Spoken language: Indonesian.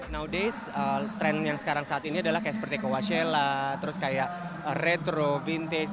nowadays trend yang sekarang saat ini adalah seperti coachella terus kayak retro vintage